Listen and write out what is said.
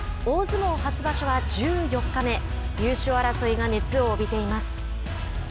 大相撲初場所は１４日目優勝争いが熱を帯びています。